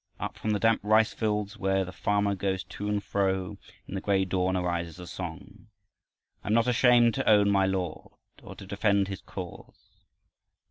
Up from the damp rice fields, where the farmer goes to and fro in the gray dawn, arises a song: I'm not ashamed to own my Lord, Or to defend his cause.